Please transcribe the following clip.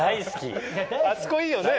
あそこいいよね！